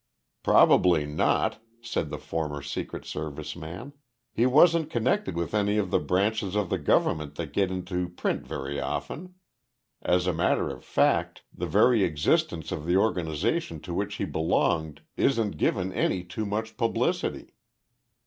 "Probably not," said the former Secret Service man. "He wasn't connected with any of the branches of the government that get into print very often. As a matter of fact, the very existence of the organization to which he belonged isn't given any too much publicity.